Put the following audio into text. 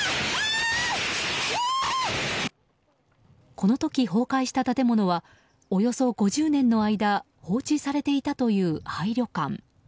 この時、崩壊した建物はおよそ５０年の間放置されていたという廃旅館。